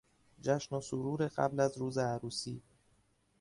جشن و سرور قبل از روز عروسی